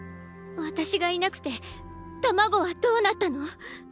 私がいなくて卵はどうなったの？